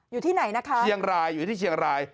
อยู่ที่ไหนนะครับที่เชียงราย